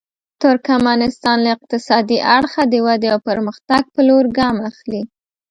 ترکمنستان له اقتصادي اړخه د ودې او پرمختګ په لور ګام اخلي.